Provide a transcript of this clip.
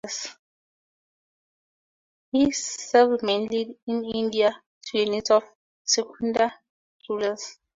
He served mainly in India to the needs of the Scindia rulers.